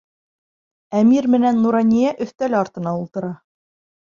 Әмир менән Нурания өҫтәл артына ултыра.